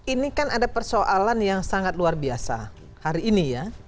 ini kan ada persoalan yang sangat luar biasa hari ini ya